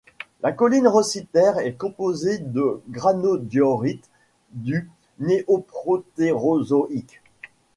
La colline Rossiter est composée de granodiorite du Néoprotérozoïque.